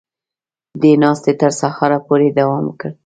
دې ناستې تر سهاره پورې دوام وکړ